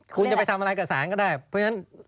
คุณจะไปทำอะไรกับสารก็ได้เพราะฉะนั้น